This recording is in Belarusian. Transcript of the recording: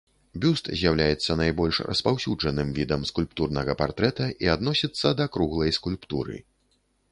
Бюст з'яўляецца найбольш распаўсюджаным відам скульптурнага партрэта і адносіцца да круглай скульптуры.